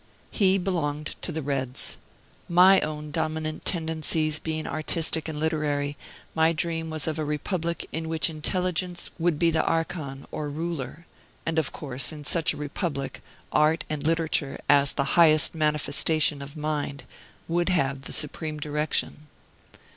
He belonged to the Reds. My own dominant tendencies being artistic and literary, my dream was of a republic in which intelligence would be the archon or ruler; and, of course, in such a republic, art and literature, as the highest manifestation of mind, would have the supreme direction.